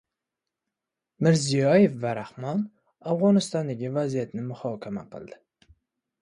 Mirziyoyev va Rahmon Afg‘onistondagi vaziyatni muhokama qildi